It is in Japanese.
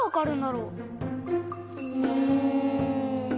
うん。